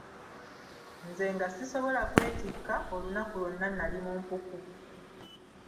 Nze nga sisobola kwetikka, olunaku lwonna nali mu mpuku.